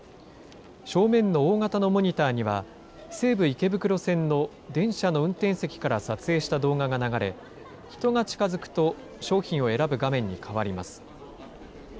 正面の大型のモニターには、西武池袋線の、電車の運転席から撮影した動画が流れ、人が近づくと、商品を選ぶ画面に変わります。